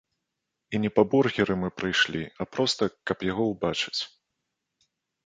І не па бургеры мы прыйшлі, а проста, каб яго ўбачыць.